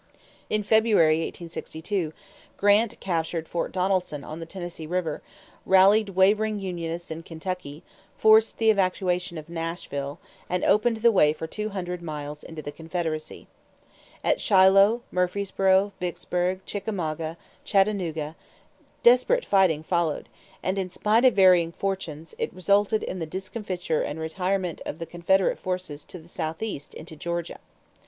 In February, 1862, Grant captured Fort Donelson on the Tennessee River, rallied wavering unionists in Kentucky, forced the evacuation of Nashville, and opened the way for two hundred miles into the Confederacy. At Shiloh, Murfreesboro, Vicksburg, Chickamauga, Chattanooga, desperate fighting followed and, in spite of varying fortunes, it resulted in the discomfiture and retirement of Confederate forces to the Southeast into Georgia.